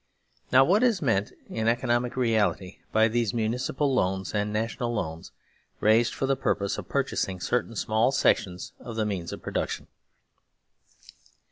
Now what is meant in economic reality by these municipal loans and national loans raised for the pur pose of purchasing certain small sections of the means of production